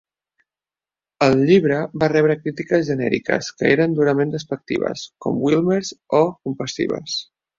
El llibre va rebre crítiques genèriques que eren durament despectives, com Wilmers, o compassives.